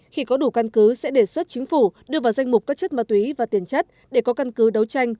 khi có đủ căn cứ sẽ đề xuất chính phủ đưa vào danh mục các chất ma túy và tiền chất để có căn cứ đấu tranh